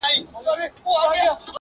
په کوم دلیل ورځې و میکدې ته قاسم یاره